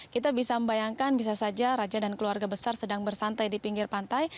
kita bisa membayangkan bisa saja raja dan keluarga besar sedang bersantai di pinggir pantai